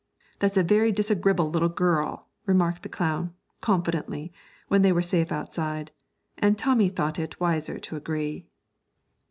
'That's a very disagribble little girl,' remarked the clown, confidentially, when they were safe outside, and Tommy thought it wiser to agree.